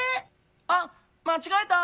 あっまちがえた！